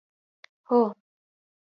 هو.